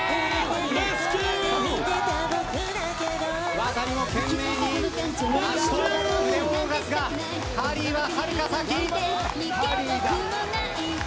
ワタリも懸命に足と腕を動かすがハリーは、はるか先。